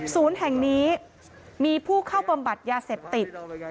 ศูนย์แห่งนี้มีผู้เข้าบำบัดยาเสพติด